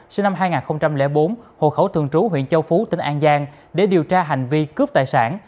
sinh năm hai nghìn bốn hồ khẩu thường trú huyện châu phú tỉnh an giang để điều tra hành vi cướp tài sản